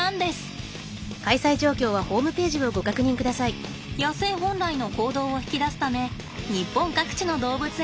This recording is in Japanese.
野生本来の行動を引き出すため日本各地の動物園で行われています。